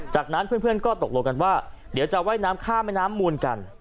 จากนั้นเพื่อนก็ตกลงกันว่าเดี๋ยวจะว่ายน้ำข้ามแม่น้ำมูลกัน